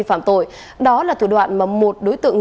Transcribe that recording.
xét minh theo dõi